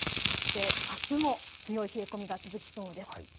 そして、あすも強い冷え込みが続きそうです。